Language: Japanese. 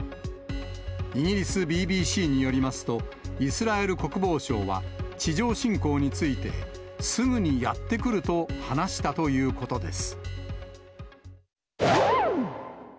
イギリスＢＢＣによりますと、イスラエル国防相は、地上侵攻について、すぐにやって来ると話したということです。